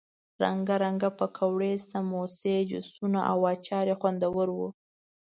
رنګه رنګه پکوړې، سموسې، جوسونه او اچار یې خوندور وو.